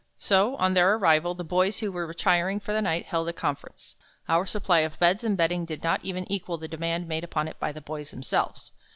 So, on their arrival, the boys who were retiring for the night, held a conference. Our supply of beds and bedding did not even equal the demand made upon it by the boys themselves.